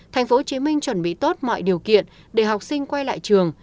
tp hcm chuẩn bị tốt mọi điều kiện để học sinh quay lại trường